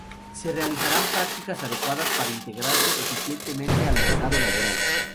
Se realizarán prácticas adecuadas para integrarse eficientemente al mercado laboral.